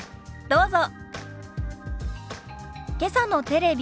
どうぞ。